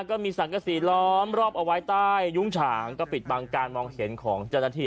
ก็มีสังกษีล้อมรอบเอาไว้ใต้ยุ้งฉางก็ปิดบังการมองเห็นของเจ้าหน้าที่